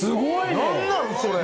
何なんそれ。